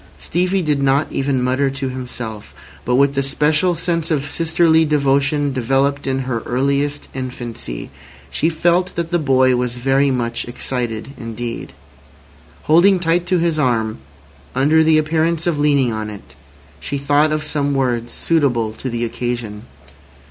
Stevie did not even mutter to himself, but with the special sense of sisterly devotion developed in her earliest infancy, she felt that the boy was very much excited indeed. Holding tight to his arm, under the appearance of leaning on it, she thought of some words suitable to the occasion.